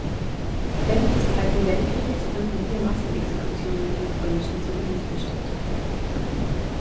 Während des Zweiten Weltkrieges fanden hier Massenexekutionen an polnischen Zivilisten statt.